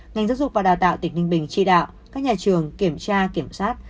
ngành giáo dục và đào tạo tỉnh ninh bình chỉ đạo các nhà trường kiểm tra kiểm soát